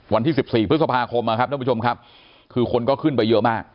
วันที่๑๔พฤษภาคมนะครับคือคนก็ขึ้นไปเยอะมาก